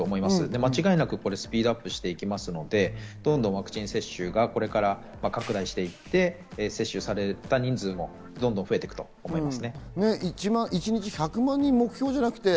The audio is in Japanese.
間違いなくスピードアップしていきますので、どんどんワクチン接種がこれから拡大していって、接種された人数もどんどん増えていくと思います。